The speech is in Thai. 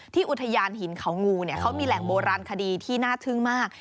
อุทยานหินเขางูเขามีแหล่งโบราณคดีที่น่าทึ่งมาก